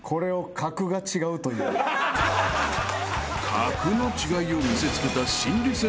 ［格の違いを見せつけた］